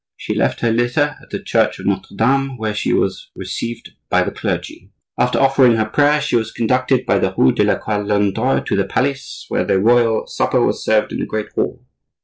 She left her litter at the church of Notre Dame, where she was received by the clergy. After offering her prayer, she was conducted by the rue de la Calandre to the palace, where the royal supper was served in the great hall.